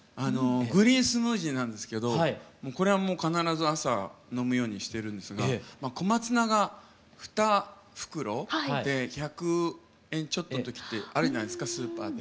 グリーンスムージーなんですけどこれはもう必ず朝飲むようにしてるんですが小松菜が２袋で１００円ちょっとのときってあるじゃないですかスーパーで。